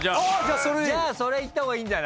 じゃあそれいった方がいいんじゃない？